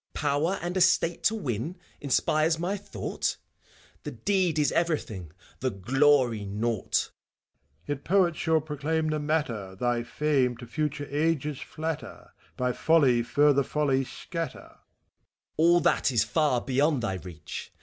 FAUST. Power and Estate to win, inspires my thought f The Deed is everything, the Glory naught. MEPHISTOPHELES. Yet Poets shall proclaim the matter, Thy fame to future ages flatter. By folly further folly scatter ! FAUST. All that is far beyond thy reach.